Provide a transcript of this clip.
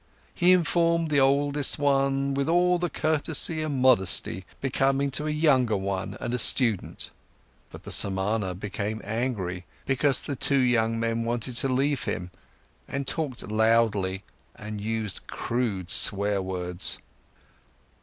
He informed the oldest one with all the courtesy and modesty becoming to a younger one and a student. But the Samana became angry, because the two young men wanted to leave him, and talked loudly and used crude swearwords.